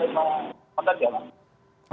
terima kasih pak